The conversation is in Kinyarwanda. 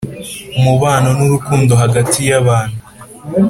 umubano n’urukundo hagati y’abantu